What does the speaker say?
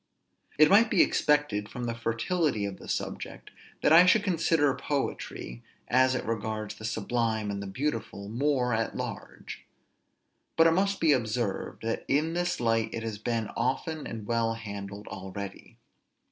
It might be expected, from the fertility of the subject, that I should consider poetry, as it regards the sublime and beautiful, more at large; but it must be observed, that in this light it has been often and well handled already.